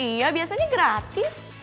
iya biasanya gratis